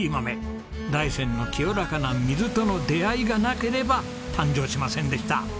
大山の清らかな水との出会いがなければ誕生しませんでした。